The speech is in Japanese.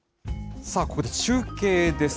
さあ、ここで中継です。